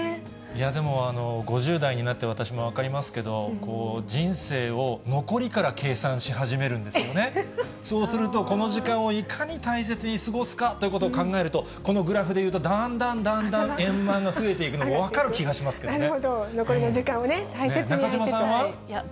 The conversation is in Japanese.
でも、５０代になって、私も分かりますけど、人生を残りから計算し始めるんですよね、そうすると、この時間をいかに大切に過ごすかということを考えると、このグラフで言うと、だんだんだんだん円満が増えていくのが分かなるほど、残りの時間をね、中島さんは？